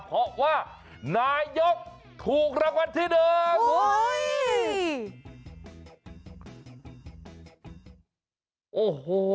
เพราะว่านายกถูกรางวัลที่เดิมโอ้โฮ